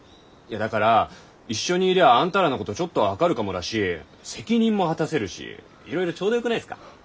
いやだから一緒にいりゃあんたらのことちょっとは分かるかもだし責任も果たせるしいろいろちょうどよくないっすか。